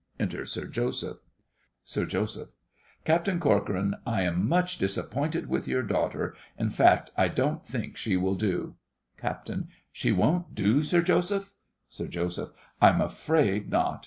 Enter SIR JOSEPH SIR JOSEPH. Captain Corcoran, I am much disappointed with your daughter. In fact, I don't think she will do. CAPT. She won't do, Sir Joseph! SIR JOSEPH. I'm afraid not.